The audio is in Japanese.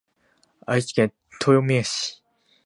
愛知県豊明市